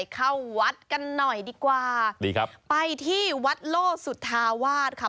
เข้าวัดกันหน่อยดีกว่าดีครับไปที่วัดโลสุธาวาสค่ะ